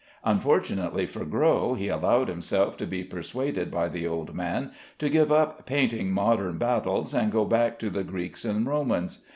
Unfortunately for Gros, he allowed himself to be persuaded by the old man to give up painting modern battles, and to go back to the Greeks and Romans.